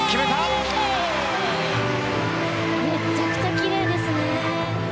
めちゃくちゃ奇麗ですね。